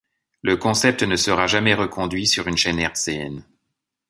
Le concept ne sera jamais reconduit sur une chaine hertzienne.